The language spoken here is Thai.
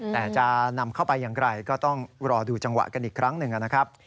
แต่จะนำเข้าไปอย่างไรก็ต้องรอดูจังหวะกันอีกครั้งหนึ่งนะครับ